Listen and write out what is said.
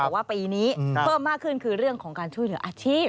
ว่าปีนี้เพิ่มมากขึ้นคือเรื่องของการช่วยเหลืออาชีพ